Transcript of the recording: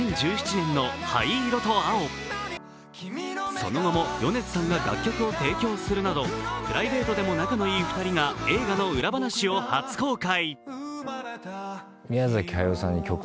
その後も米津さんが楽曲を提供するなどプライベートでも仲のいい２人が映画の裏話を初公開。